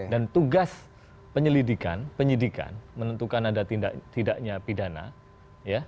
dan tugas penyelidikan penyidikan menentukan ada tidaknya pidana